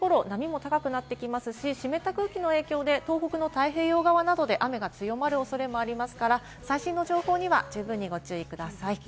ギリギリ台風という感じで直撃ということはなさそうなんですが、月曜日ごろ、波も高くなってきますし、湿った空気の影響で東北の太平洋側などで雨が強まる恐れもありますから、最新の情報には十分にご注意ください。